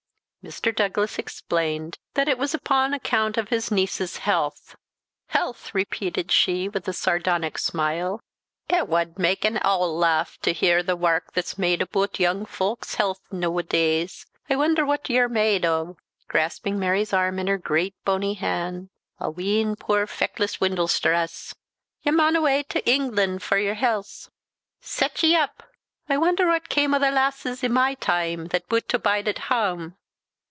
Mr. Douglas explained that it was upon account of his niece's health. "Health!" repeated she, with a sardonic smile; "it wad mak' an ool laugh to hear the wark that's made aboot young fowk's health noo a days. I wonder what ye're aw made o' " grasping Mary's arm in her great bony hand "a wheen puir feckless windlestraes; ye maun awa' to Ingland for ye're healths. Set ye up! I wonder what cam' o' the lasses i' my time, that bute to bide at hame?